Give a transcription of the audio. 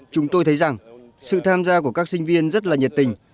chúng tôi thấy rằng sự tham gia của các sinh viên rất là nhiệt tình